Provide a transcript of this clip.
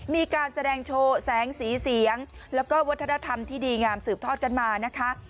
มีการแสดงโชว์แสงสีเสียงแล้วก็วัฒนธรรมที่ดีงามสืบทอดกันมานะคะ